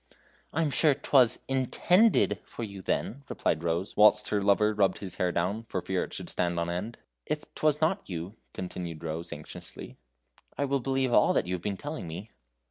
"I am sure 'twas INTENDED for you, then," replied Rose, whilst her lover rubbed his hair down, for fear it should stand on end. "If 'twas not you," continued Rose, anxiously, "I will believe all that you have been telling me."